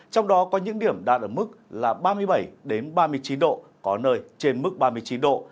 trong đó có những điểm đạt ở mức là ba mươi bảy ba mươi chín độ có nơi trên mức ba mươi chín độ